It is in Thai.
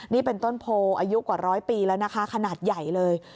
นี่เป็นต้นโพอายุกว่าร้อยปีแล้วนะคะขนาดใหญ่เลย